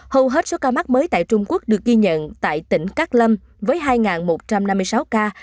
hầu hết số ca mắc mới tại trung quốc được ghi nhận tại tỉnh cát lâm với hai một trăm năm mươi sáu ca